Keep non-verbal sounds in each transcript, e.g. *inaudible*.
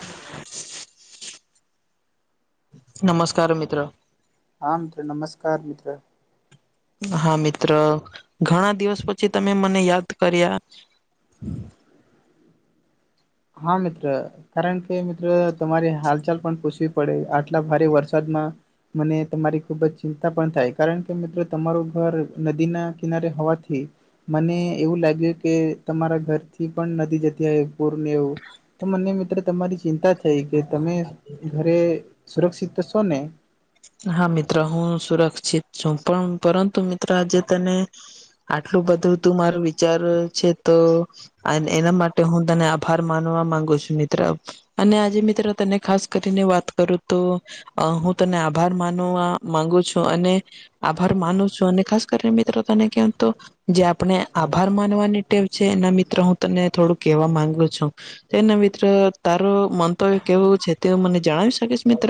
મિત્ર નમસ્કાર મિત્ર. હા મિત્ર નમસ્કાર મિત્ર. હા મિત્ર ઘણા દિવસ પછી તમે મને યાદ કર્યા. હા મિત્ર. કારણ કે મિત્રો તમારે હાલચાલ પણ પૂછવી પડે આટલા ભારે વરસાદમાં. મને તમારી ખુબ જ ચિંતા પણ થાય કારણ કે મિત્રો તમારું ઘર નદીના કિનારે હોવાથી. મને એવું લાગ્યું કે તમારા ઘરથી પણ નદી જતીર. એવું તો મને મિત્ર તમારી ચિંતા થઈ કે તમે. ઘરે સુરક્ષિત તો છો ને! હા મિત્રો હું સુરક્ષિત છું પણ પરંતુ મિત્ર આજે તને. આટલું બધું તું મારું વિચાર છે તો એના માટે હું તને આભાર માનવા માંગુ છું મિત્ર અને આજે મિત્રો તને ખાસ કરીને વાત કરું તો હું તને આ ભાર માનવા માંગુ છું અને આભાર માનું છું અને ખાસ કરીને મિત્રો તને કેમ તો જે આપણે આભાર માનવાની ટેવ છે એના મિત્ર હું તને થોડું કેહેવા માંગુ છું. એને મિત્ર તારો મંતવ્ય કેવું છે તે મને જણાવી શકીશ મિત્ર.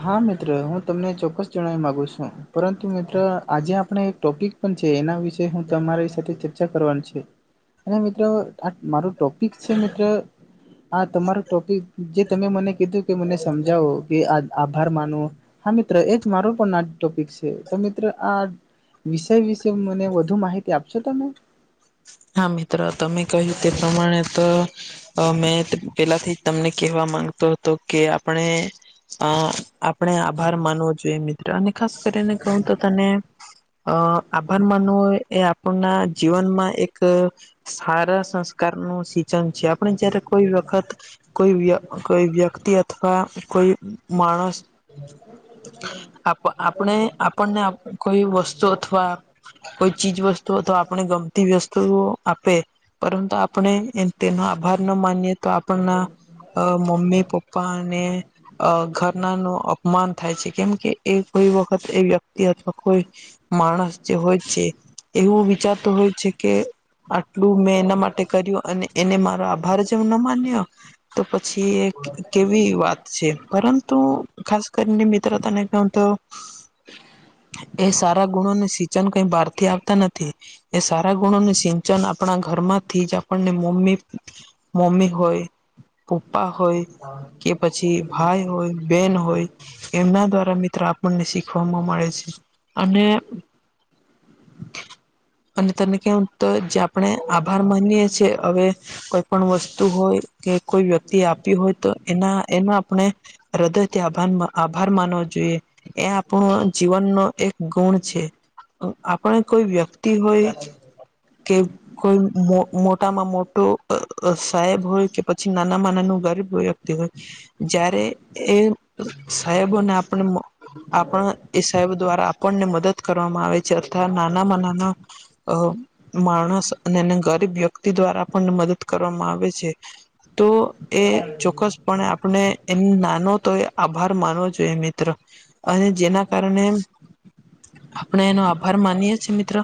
હા મિત્ર હું તમને ચોક્કસ જણાવવા માગુ છું પરંતુ મિત્ર આજે આપણે એક ટોપિક પણ છે એના વિશેે હું તમારી સાથે ચ વિચાર કરવાનું છે અને મિત્રો આ મારો ટોપિક છે મિત્ર આ તમારો ટોપિક જે તમે મને કીધું કે મને સમજાવો કે આ આભાર માનો હા મિત્ર એજ મારો પણ ટોપિક છે તો મિત્ર આ વિષય વિશે મને વધુ માહિતી આપશો તમે. હા મિત્ર તમે કહ્યું તે પ્રમાણે તો અ મેં પેલાથી તમને કહેવા માંગતો હતો કે આપણે અ આપણે આભાર માનવો જોઈએ મિત્ર અને ખાસ કરીને કહું તો તને અ આભાર માનવોય એ આપણના જીવનમાં એક એક સારા સંસ્કાર નું સિંચન છે આપણે જયારે કોઈ વખત કોઈ વ્ય કોઈ વ્યક્તિ અથવા કોઈ માણસ આપ આપણે આપ આપણને કોઈ વસ્તુ અથવા કોઈ ચીજ વસ્તુ અથવા આપણે ગમતી વસ્તુ તુઓ આપે પરંતુ આપણે તેનો આભાર ના માનીએ તો આપણના અ મમ્મી પપ્પા અને અ ઘરના નું અપમાન થાય છે કેમ કે એ કોઈ વખત એ વ્યક્તિ અથવા કોઈ માણસ જે હોય છે એવું વિચારતો હોય છે કે આટલું મેં એના માટે કર્યું અને એને મારો આભાર જ ન માન્યો તો પછી એક કેવી વાત છે પરંતુ ખાસ કરીને મિત્ર તને કહું તો એ સારા ગુણોને સિંચન કઈ બહાર થી આવતા નથી. એ સારા ગુણો નુ સિંચન આપણા ઘરમાંથી જ આપણને મમ્મીથી મમ્મી હોય પપ્પા હોય કે પછી ભાઈ હોય બેન હોય. એમના દ્વારા મિત્ર આપણને શીખવાવામાં મળે છે. અને અને તને કેવું તો જ્યા આપણે આભાર માનીએ છીએ હવે કોઈ પણ વસ્તુ હોય કે કોઈ વ્યક્તિ આપી હોય તો એના એમાં આપણે હૃદયથી આભાર આભાર માનવો જોઈએ. એ આપણો જીવનનો એક ગુણ છે આપણે કોઈ વ્યક્તિ હોય કે કોઈ મોટામાં મોટું સાહેબ હોય કે પછી નાનામાં નાનું ગરીબ વ્યક્તિ હોય જ્યારે એ સાહેબોને આપણે મો આપણા એ સાહેબ દ્વારા આપણને મદદ કરવામાં આવે છે અથવા નાનામાં નાના હઓ માણસ અને એને ગરીબ વ્યક્તિ દ્વારા પણ મદદ કરવામાં આવે છે તો એ ચોક્કસપણે આપણે એ નાનો તો એ આભાર માનવો જોઈએ મિત્રો અને જેના કારણે આપણે એનો આભાર માનીએ છીએ મિત્રો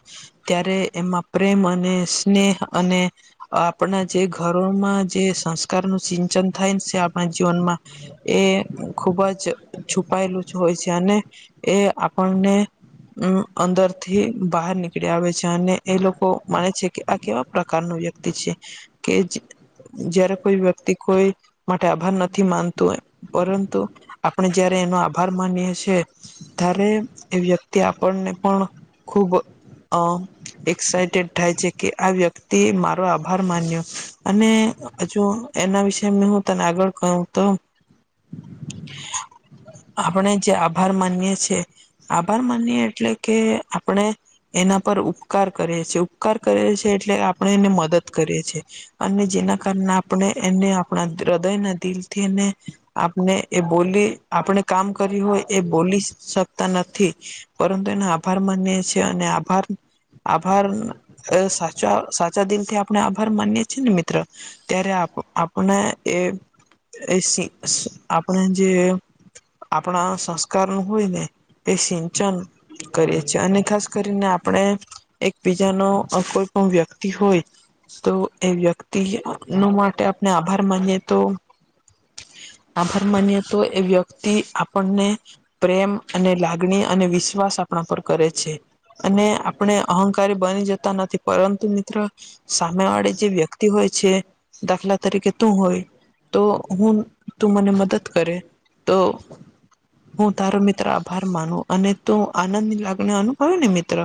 ત્યારે એમાં પ્રેમ અને સ્નેહ અને આપણા જે ઘરોમાં જે સંસ્કાર નું સિંચન થાય ને છે આપણા જીવનમાં એ ખુબ જ છુપાયેલું જ હોય છે અને એ આપણને અમ અંદર થી બહાર નીકળી આવે છે અને એ લોકો માને છે કે આ કેવા પ્રકાર નુ વ્યક્તિ છે કે જયારે કોઈ વ્યક્તિ કોઈ માટે આભાર નથી માનતું એમ પરંતુ આપણે જયારે એનો આભાર માનીએ છે. તારે એ વ્યક્તિ આપણને પણ ખૂબ અ એક્સાઈટેડ થાય છે કે આ વ્યક્તિ મારો આભાર માન્યો અને હજો એના વિશે મે હું તને આગળ કહું તો. *unintelligible* આપણે જે આભાર માનીએે છીએ. આભાર માનીએ એટલે કે આપણે એના પર ઉપકાર કરે છીએ ઉપકાર કરે છીએ એટલે આપણે એને મદદ કરીએ છીએ અને જેના કારણે આપણે એને આપણા હૃદયના દિલથી એને આપને એ બોલી આપણે કામ કર્યું હોય એ બોલી શક તા નથી પરંતુ એનો આભાર માનીએ છે અને આભાર આભાર અ સાચા સાચા દિલ થી આપણે આભાર માનીએ છીએ ને મિત્ર ત્યારે આપ આપણે એ આપણે જે. આપણા સંસ્કાર નું હોય ને એ સિંચન કરીએ છીએ અને ખાસ કરીને આપણે એકબીજા નો અ કોઈ પણ વ્યક્તિ હોય તો એ વ્યક્તિ એનું માટે આપણે આભાર માનીએે તો આભાર માનીએ તો એ વ્યક્તિ આપણને પ્રેમ અને લાગણી અને વિશ્વાસ આપણા પર કરે છે અને આપણે અહંકારી બની જતા નથી પરંતુ મિત્ર સામે વાળી જે વ્યક્તિ હોય છે. દાખલા તરીકે તું હોય તો હું તું મને મદદ કરે તો હું તારો મિત્ર આભાર માનું અને તું આનંદ ની લાગણી અનુભવે ને મિત્ર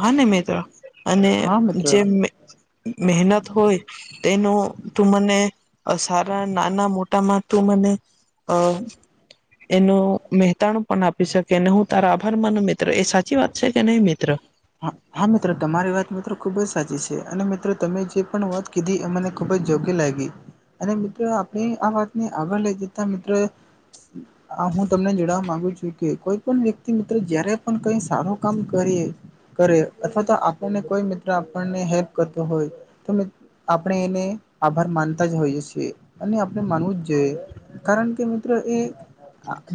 હા ને મિત્ર અને હા મિત્ર જે મે મહેનત હોય. તેનું તું મને અ સારા નાના મોટામાં તું મને અ. એનું મહેતાણું પણ આપી શકે અને હું તારા આભાર માનું મિત્ર એ સાચી વાત છે કે નહી મિત્ર હા હા મિત્ર તમારી વાત મિત્ર ખુબ જ સાચી છે અને મિત્ર તમે જે પણ વાત કીધી અમને ખુબ જ જોગ્ય લાગી અને મિત્ર આપણે આ વાતને આગળ લઈ જતા મિત્ર હા હું તમને જાડવા માંગુ છું. કે કોઈ પણ વ્યક્તિ મિત્ર જય્યારે પણ કઈ સારું કામ કરીયે કરે અથવા તો આપ અને કોઈ મિત્ર આપણને હેલ્પ કરતો હોય તો મિત્ર આપણે એને આભાર માનતા જ હોઈએ છીએ અને આપણે માનવું જ જોઈએ. કારણ કે મિત્ર એ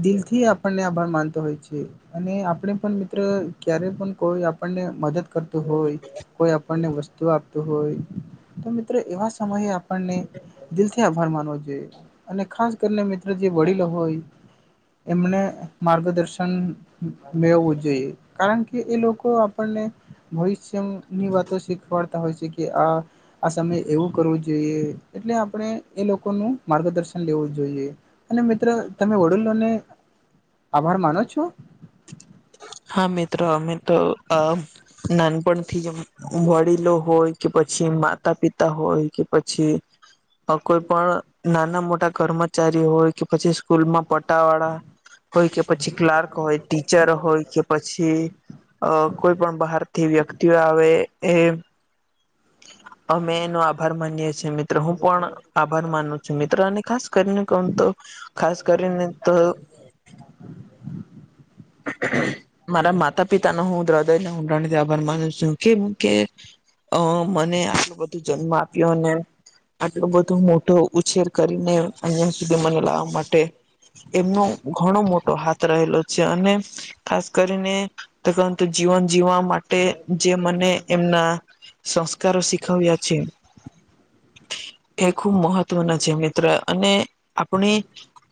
દિલથી આપણને આભાર માનતો હોય છે. અને આપણે પણ મિત્ર ક્યારે પણ કોઈ આપણને મદદ કરતું હોય કોઈ આપણને વસ્તુ આપતું હોય તો મિત્ર એવા સમયે આપણને દિલથી આભાર માનવો જોઈએ અને ખાસ કરીને મિત્ર જે વડીલો હોય એમને માર્ગદર્શન મેળવું જોઈએ કારણ કે એ લોકો આપણે ભવિષ્યની વાતો શીખવાડતા હોય છે કે આ આ સમયે એવું કરવું જોઈએ એટલે આપણે એ લોકોનું માર્ગદર્શન લેવું જોઈએ. અને મિત્ર તમે વડીલોને આભાર માનો છો. હા મિત્ર અમે તો અ. નાનપણથી જેમ વડીલો હોય કે પછી માતા પિતા હોય કે પછી *unintelligible* કોઈ પણ નાના મોટા કર્મચારી હોય કે પછી સ્કૂલમાં પણ પટા વાળા હોય કે પછી ક્લાર્ક હોય ટીચર હોય કે પછી ઈ અ કોઈ પણ બહારથી વ્યક્તિઓ આવે એ અમેં એનો આભાર માનીએ છીએ મિત્ર હું પણ આભાર માનુ છુ મિત્ર અને ખાસ કરીને કઉ તો ખાસ કરીને તો મારા માતા પિતાનો હું હદય થે ઉઊંડાણથી આભાર માનું છું કે હું કે અ મને આટલું બધો જન્મ આપ્યો અને આટલું બધો મોટો ઉછેર કરીને અહિયાં સુધી મને લાવવા માટે એમનો ઘણો મોટો હાથ રહેલો છે અને ખાસ કરીને *unintelligible* જીવન જીવવા માટે જે મને એમના સંસ્કાર શીખવયા છે. એ ખુબ મહત્વના છે મિત્ર. અને આપણે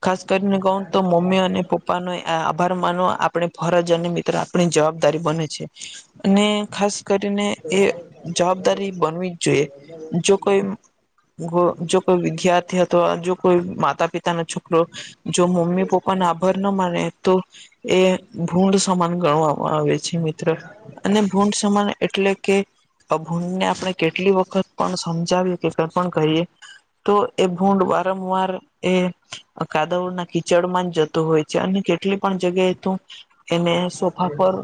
ખાસ કરીને કહ તો મમ્મી અને પપ્પાના આ આભાર માનો આપણે ફરજ અને મિત્ર આપણી જવાબદારી બને છે અને ખાસ કરીને એ જવાબદારી બનવી જ જોઈએ જો કોઈ જો કોઈ વિદ્યાર્થી હતો જો કોઈ માતા પિતાનો છોકરો જો મમ્મી પપ્પા આભાર ના માને તો એ ભૂડં સમાન ગણવા આવે છે. અને ભૂડં સમાન એટલે કે આ ભૂડને આપણે કેટલી વખત પણ સમજાવીએ કઈ પણ કરીએ તો એ ભૂડં વારંવાર એ કાદવના કીચડમાં જ જતો હોય છે અને કેટલી પણ જગ્યા તો એને સોફા પર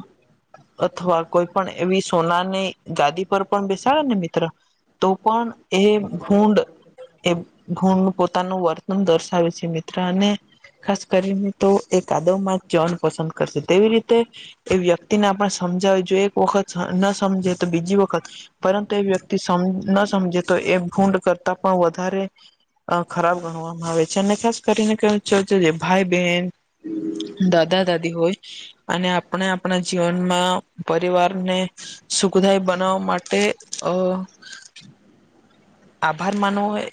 અથવા કોઈ પણ એવી સોનાની ગાદી પર પણ બેસાડે ને મિત્ર તો પણ એ ભૂડં એ ભૂડં પોતાનું વર્તન દર્શાવે છે મિત્ર અને ખાસ કરીને તો એ કાદવ માં જવાનું પસંદ કરશે તેવી રીતે એ વ્યક્તિને આપણે સમજાવી જો એક વખત ન સમજે તો બીજી વખત પરંતુ એ વ્યક્તિ ન સમજે તો એ ભૂંડ કરતા પણ વધારે અ ખરાબ ગણવામાં આવે છે અને ખાસ કરીને *unintelligible* ભાઈ બહેન દાદા, દાદી હોય અને આપણે આપણા જીવનમાં પરિવારને સુખદાયી બનાવવા માટે અ આભાર માનવોય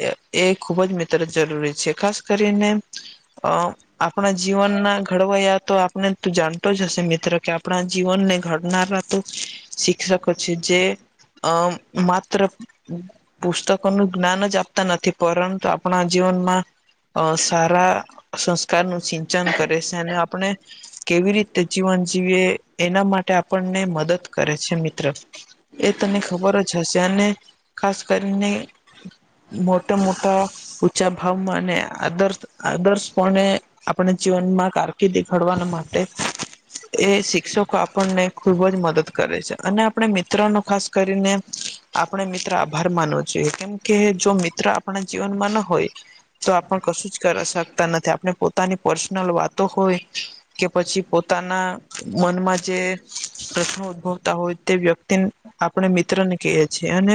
એ ખૂબ જ મિત્ર જરૂરી છે ખાસ કરીને અ આપણા જીવનના ઘડવાયા તો આપણે ત જાણતો જ હશે મિત્ર કે આપણા જીવનને ઘડનારા ત શિક્ષક પછી જે અ માત્ર પુસ્તકોનું જ્ઞાન જ આપતા નથી પરંતુ આપણા જીવનમાં અ સારા સંસ્કારનું સિંચન કરે છે અને આપણે કેવી રીતે જીવન જીવીએ એના માટે આપણને મદદ કરે છે મિત્ર. એ તને ખબર જ હશે અને ખાસ કરીને મોટા મોટા ઊંચા ભાવમાં અને આદર્શ, આદર્શ પણે આપને જીવન માં કારકિર્દી ઘડવાના માટે એ શિક્ષકો આપણને ખુબ જ મદદ કરે છે અને આપણે મિત્રનો ખાસ કરીને આપણે મિત્ર આભાર માનવો જોઈએ કેમ કે જો મિત્ર આપણા જીવનમાં ના હોય તો આપણ કશું જ કરી શકતા નથી આપણે પોતાની પર્સનલ વાતો હોય કે પછી પોતાના મનમાં જે પ્રશ્નો ઉદભવતા હોય તે વ્યક્તિને આપણે મિત્રને કહીએ છીએ અને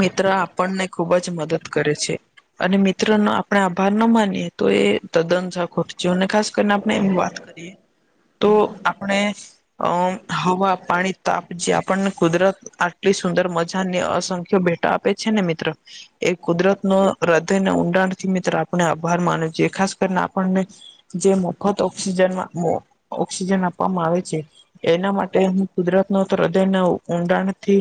મિત્ર આપણને ખુબ જ મદદ કરે છે. અને મિત્રનો આપણે આભાર ના માનીએ તો એ તદ્દન સાવ ખોટું છે, અને ખાસ કરીને આપણે એમ વાત કરીએ તો આપણે અ હવા, પાણી, તાપ જે આપણ કુદરત આટલી સુંદર મજાને અસંખ્ય ભેટા આપે છે ને મિત્ર. એ કુદરત ન હૃદયને ઊંડાણથી મિત્ર આપણે આભાર માનો છે ખાસ કરીને આપણને જે મફત ઓક્સિજન ઓક્સિજન આપવામાં આવે છે. એના માટે હું કુદરતનો હ્રદયના ઊંડાણથી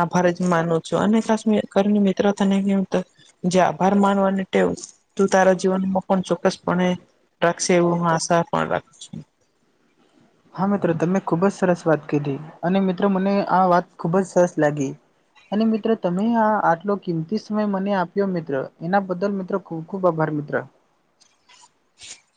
આભારે જ માનું છું અને ખાસ કરીને મિત્રને કે જે આભાર માનવાની ટેવ તું તારા જીવનમાં પણ ચોક્કસ પણ રાખશે એવું હું આશા પણ રાખ હા મિત્રો તમે ખૂબ જ સરસ વાત કીધી અને મિત્રો મને આ વાત ખુબ જ સરસ લાગી. અને મિત્રો તમે આ આટલો કિંમતી સમય મને આપ્યો મિત્ર એના બદલ મિત્રો ખૂબ ખૂબ આભાર મિત્ર.